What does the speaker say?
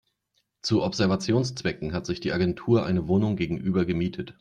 Zu Observationszwecken hat sich die Agentur eine Wohnung gegenüber gemietet.